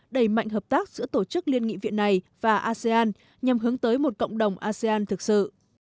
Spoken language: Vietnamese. đẩy mạnh hợp tác giữa tổ chức liên nghị viện này và asean nhằm hướng tới một cộng đồng asean thực sự